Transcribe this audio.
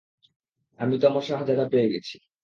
আমি তো আমার শাহজাদা পেয়ে গেছি।